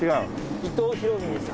伊藤博文さん。